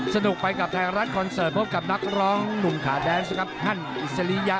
สนุกไปกับไทยรัฐคอนเสิร์ตพบกับนักร้องหนุ่มขาแดนส์ครับฮันอิสริยะ